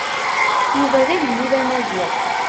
Yuba d agellid Amaziɣ.